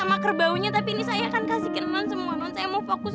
mbak cahaya ini memenangkan undian loh mbak